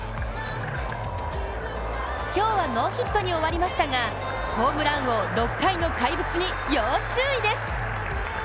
今日はノーヒットに終わりましたが、ホームラン王６回の怪物に要注意です。